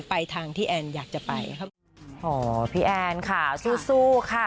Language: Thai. พี่แอนด์ค่ะสู้ค่ะ